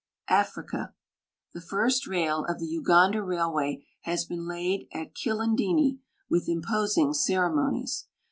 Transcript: AFRICA The first rail of the Uganda railway has been laid at Kilindini with imposing ceremonies.